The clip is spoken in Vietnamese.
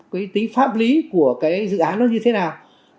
cái tính pháp lý của cái dự án nó như thế nào